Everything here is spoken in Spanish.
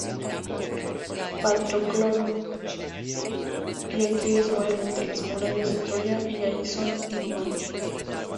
Patroclo y Aquiles mueren ante las murallas de Troya, y allí son inhumados.